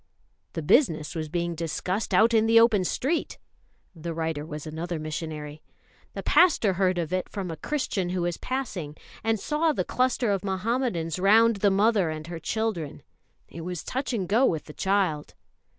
"The business was being discussed out in the open street" the writer was another missionary "the pastor heard of it from a Christian who was passing, and saw the cluster of Muhammadans round the mother and her children. It was touch and go with the child."